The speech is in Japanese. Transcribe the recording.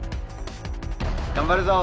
頑張るぞ！